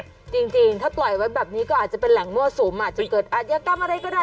จริงถ้าปล่อยไว้แบบนี้ก็อาจจะเป็นแหล่งมั่วสุมอาจจะเกิดอาธิกรรมอะไรก็ได้